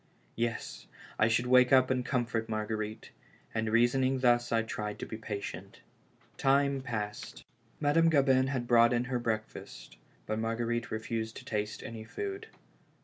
Yes, I should wake up and comfort Marguerite; and reason ing thus I tried to be patient. Time passed. Madame Gabin had brought in her breakfast, but Marguerite refused to taste any food.